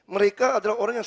mereka adalah orang yang